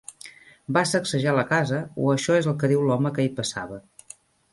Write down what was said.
Va sacsejar la casa, o això és el que diu l'home que hi passava.